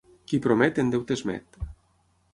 Qui promet, en deute es met.